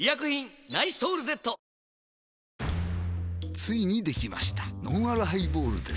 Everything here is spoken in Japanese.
ついにできましたのんあるハイボールです